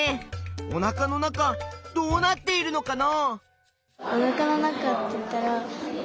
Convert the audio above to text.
おなかの中どうなっているのかな？